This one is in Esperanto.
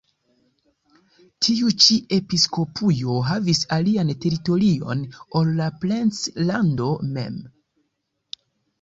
Tiu ĉi episkopujo havis alian teritorion ol la princlando mem.